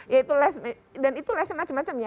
ya itu les dan itu les yang macam macam ya